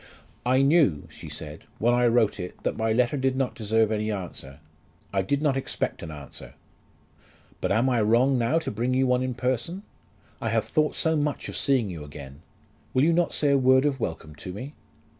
"I knew," she said, "when I wrote it, that my letter did not deserve any answer. I did not expect an answer." "But am I wrong now to bring you one in person? I have thought so much of seeing you again! Will you not say a word of welcome to me?"